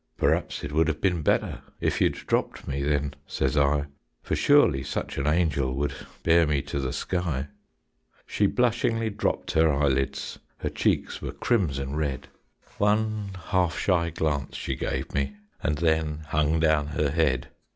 "Perhaps it would've been better If you'd dropped me then," says I; "For surely such an angel Would bear me to the sky." She blushingly dropped her eyelids, Her cheeks were crimson red; One half shy glance she gave me And then hung down her head.